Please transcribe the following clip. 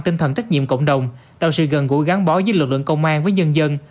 tinh thần trách nhiệm cộng đồng tạo sự gần gũi gắn bó giữa lực lượng công an với nhân dân